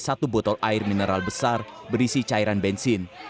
satu botol air mineral besar berisi cairan bensin